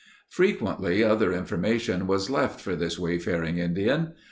Frequently other information was left for this wayfaring Indian.